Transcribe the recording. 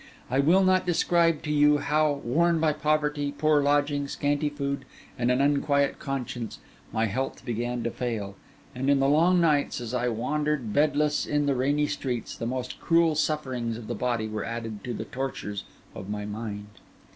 I will not describe to you how, worn by poverty, poor lodging, scanty food, and an unquiet conscience, my health began to fail, and in the long nights, as I wandered bedless in the rainy streets, the most cruel sufferings of the body were added to the tortures of my mind.